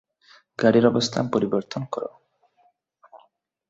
গাড়ির অবস্থান পরিবর্তন করো।